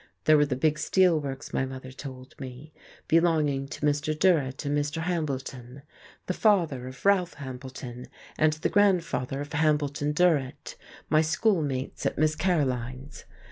There were the big steel works, my mother told me, belonging to Mr. Durrett and Mr. Hambleton, the father of Ralph Hambleton and the grandfather of Hambleton Durrett, my schoolmates at Miss Caroline's.